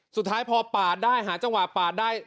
สุดท้ายพอปาดได้หาจังหวะปาดได้